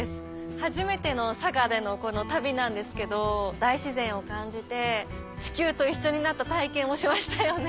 初めての佐賀での旅なんですけど大自然を感じて地球と一緒になった体験をしましたよね。